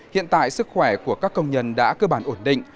hiện tại sức khỏe của các công nhân đã cơ bản ổn định